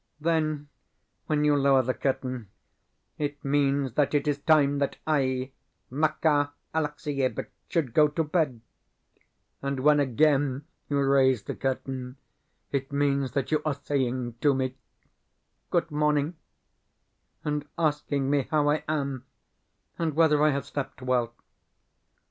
Then when you lower the curtain, it means that it is time that I, Makar Alexievitch, should go to bed; and when again you raise the curtain, it means that you are saying to me, "Good morning," and asking me how I am, and whether I have slept well.